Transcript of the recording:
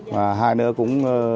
và hai nữa cũng